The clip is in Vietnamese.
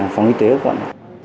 phòng y tế quận